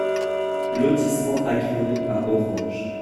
Lotissement Aguilon à Orange